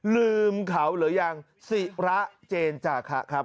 ลืมเขาหรือยังศิระเจนจาคะครับ